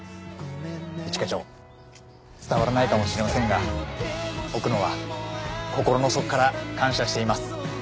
一課長伝わらないかもしれませんが奥野は心の底から感謝しています。